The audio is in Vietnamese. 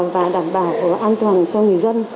và đảm bảo an toàn cho người dân